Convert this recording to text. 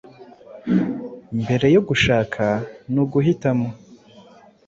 mbere yo gushaka ni uguhitamo